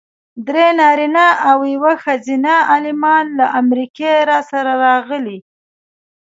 درې نارینه او یوه ښځینه عالمان له امریکې راسره راغلي.